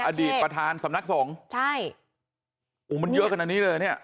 กับอดีตประธานสำนักส่งใช่โอ้มันเยอะกันอันนี้เลยเนี้ย